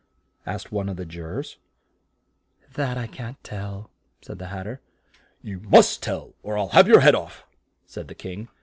asked one of the ju ry. "That I can't tell," said the Hat ter. "You must tell or I'll have your head off," said the King.